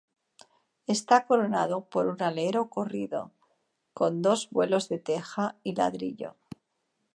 Está coronado por un alero corrido, con dos vuelos de teja y ladrillo.